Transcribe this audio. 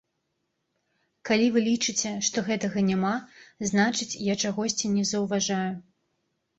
Калі вы лічыце, што гэтага няма, значыць, я чагосьці не заўважаю.